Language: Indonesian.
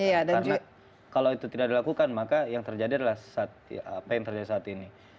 karena kalau itu tidak dilakukan maka yang terjadi adalah apa yang terjadi saat ini